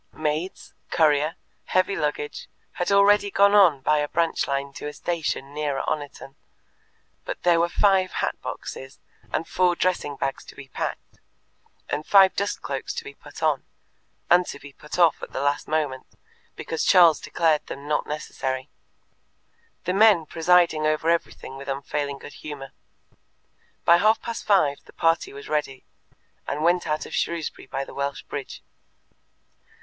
Maids, courier, heavy luggage, had already gone on by a branch line to a station nearer Oniton, but there were five hat boxes and four dressing bags to be packed, and five dust cloaks to be put on, and to be put off at the last moment, because Charles declared them not necessary. The men presided over everything with unfailing good humour. By half past five the party was ready, and went out of Shrewsbury by the Welsh Bridge.